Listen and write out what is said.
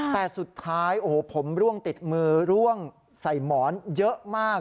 แต่สุดท้ายโอ้โหผมร่วงติดมือร่วงใส่หมอนเยอะมาก